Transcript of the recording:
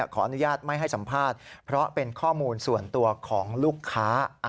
ขออนุญาตไม่ให้สัมภาษณ์เพราะเป็นข้อมูลส่วนตัวของลูกค้า